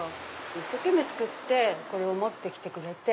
一生懸命作ってこれを持って来てくれて。